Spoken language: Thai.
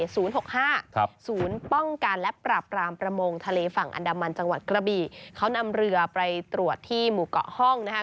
ศูนย์ป้องกันและปรับรามประมงทะเลฝั่งอันดามันจังหวัดกระบี่เขานำเรือไปตรวจที่หมู่เกาะห้องนะคะ